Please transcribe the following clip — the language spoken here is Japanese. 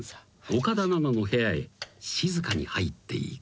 岡田奈々の部屋へ静かに入っていく］